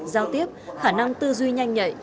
giao tiếp khả năng tư duy nhanh nhạy